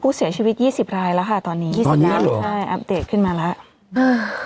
กูเสียชีวิต๒๐รายแล้วค่ะตอนนี้อัพเดทขึ้นมาแล้วอือ